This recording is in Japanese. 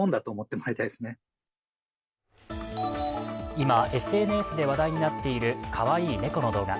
今、ＳＮＳで話題になっているかわいい猫の動画。